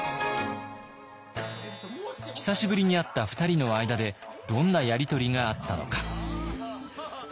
久しぶりに会った２人の間でどんなやり取りがあったのか。